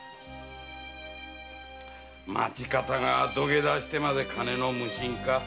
町方が土下座して金の無心か？